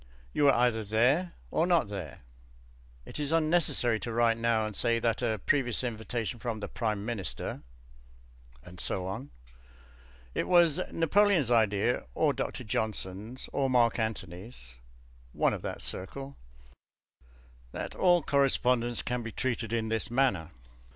You were either there or not there; it is unnecessary to write now and say that a previous invitation from the Prime Minister and so on. It was Napoleon's idea (or Dr. Johnson's or Mark Antony's one of that circle) that all correspondence can be treated in this manner.